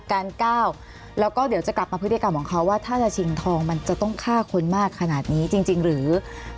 การก้าวแล้วก็เดี๋ยวจะกลับมาพฤติกรรมของเขาว่าถ้าจะชิงทองมันจะต้องฆ่าคนมากขนาดนี้จริงหรือ